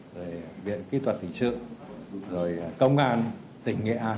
rồi viện kỹ thuật hình sự rồi công an tỉnh nghệ an